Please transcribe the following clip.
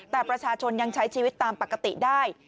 แต่ประชาชนยังใช้ชีวิตตามปกติได้